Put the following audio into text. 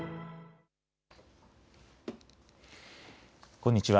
こんにちは。